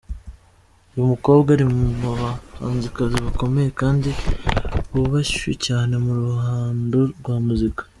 Uyu mukobwa ari mu bahanzikazi bakomeye kandi bubashywe cyane mu ruhando rwa muzika.